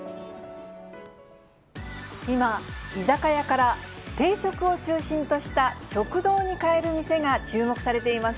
今、居酒屋から定食を中心とした食堂に変える店が注目されています。